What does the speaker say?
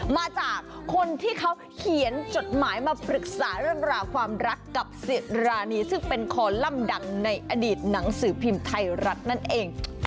มาจากคนที่เขาเขียนจดหมายมาปรึกษาเรื่องราวความรักกับสิรานีซึ่งเป็นคอลัมป์ดังในอดีตหนังสือพิมพ์ไทยรัฐนั่นเอง